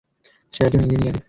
সে একজন ইন্জিনিয়ারি।